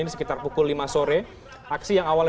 ini sekitar pukul lima sore aksi yang awalnya